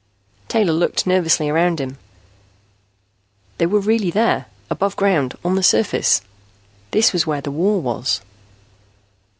Taylor looked nervously around him. They were really there, above ground, on the surface. This was where the war was.